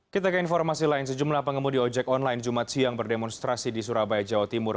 kita ke informasi lain sejumlah pengemudi ojek online jumat siang berdemonstrasi di surabaya jawa timur